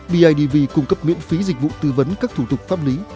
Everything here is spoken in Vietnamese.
bidv cung cấp miễn phí dịch vụ tư vấn các thủ tục pháp lý